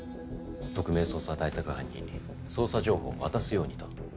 特命捜査対策班に捜査情報を渡すようにと。